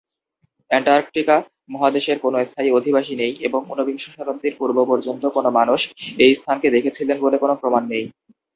Antarctica মহাদেশের কোন স্থায়ী অধিবাসী নেই এবং ঊনবিংশ শতাব্দীর পূর্ব পর্যন্ত কোন মানুষ এই স্থানকে দেখেছিলেন বলে কোন প্রমাণ নেই।